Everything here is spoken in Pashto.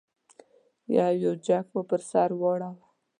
یو یو جېک مو پر سر واړاوه.